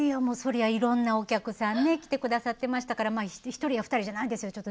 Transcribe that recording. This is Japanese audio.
そりゃいろんなお客さん来てくださっていましたから１人や２人じゃないですよ